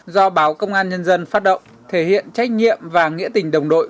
do báo công an nhân dân phát động thể hiện trách nhiệm và nghĩa tình đồng đội